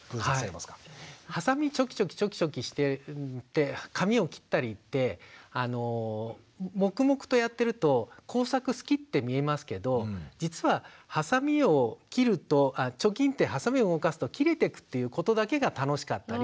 はさみチョキチョキしてて紙を切ったりって黙々とやってると工作好きって見えますけど実ははさみを切るとチョキンってはさみを動かすと切れてくということだけが楽しかったり。